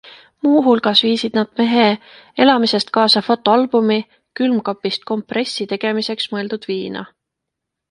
Muu hulgas viisid nad mehe elamisest kaasa fotoalbumi, külmkapist kompressi tegemiseks mõeldud viina.